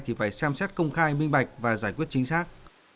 thì phải xem xét công khai minh bạch và giải quyết chính xác